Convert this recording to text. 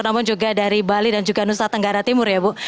namun juga dari bali dan juga nusa tenggara timur ya bu